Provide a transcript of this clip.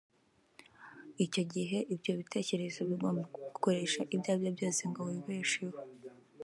icyo gihe ibyo bitekerezo bigomba kugukoresha ibyo ari byo byose ngo wibesheho